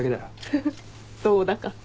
フフどうだか。